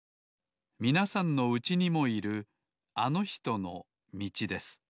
みなさんのうちにもいるあのひとのみちです